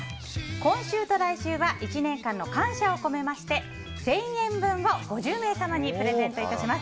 今週と来週は１年間の感謝を込めて１０００円分を５０名様にプレゼントします。